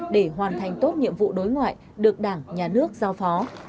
để hoàn thành tốt nhiệm vụ đối ngoại được đảng nhà nước giao phó